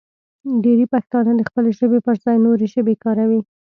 ډېری پښتانه د خپلې ژبې پر ځای نورې ژبې کاروي.